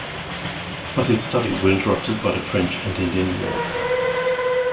But his studies were interrupted by the French and Indian War.